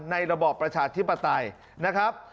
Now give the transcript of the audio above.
ระบอบประชาธิปไตยนะครับ